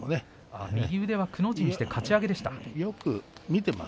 右手くの字にして、かち上げでした。